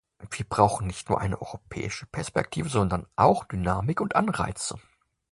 Wir brauchen nicht nur eine europäische Perspektive, sondern auch Dynamik und Anreize.